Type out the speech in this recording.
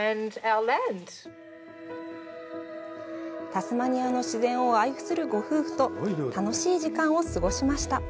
タスマニアの自然を愛するご夫婦と楽しい時間を過ごしました。